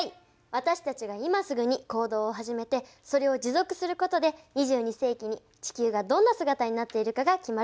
私たちが今すぐに行動を始めてそれを持続することで２２世紀に地球がどんな姿になっているかが決まる。